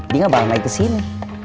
dia gak bakal naik kesini